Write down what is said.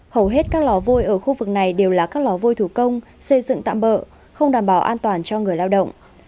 hầu hết các lò vôi ở khu vực này đều là các lò vôi thủ công xây dựng tạm bỡ không đảm bảo an toàn cho người lao động